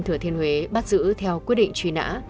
thừa thiên huế bắt giữ theo quyết định truy nã